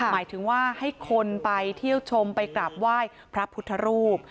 หมายถึงว่าให้คนไปเที่ยวชมไปกราบไหว้พระพุทธรูป